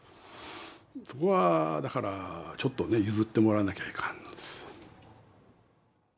そこはだからちょっとね譲ってもらわなきゃいかんのです。